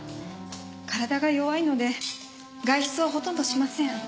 体が弱いので外出はほとんどしません。